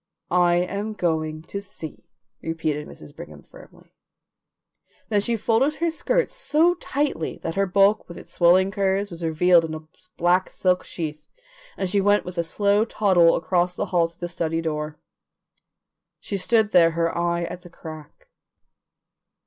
"I am going to see," repeated Mrs. Brigham firmly. Then she folded her skirts so tightly that her bulk with its swelling curves was revealed in a black silk sheath, and she went with a slow toddle across the hall to the study door. She stood there, her eye at the crack.